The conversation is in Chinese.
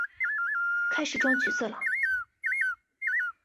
开始装橘子